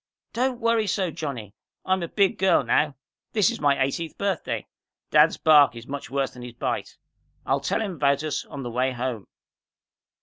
"Don't worry so, Johnny! I'm a big girl now. This is my eighteenth birthday. Dad's bark is much worse than his bite. I'll tell him about us on the way home."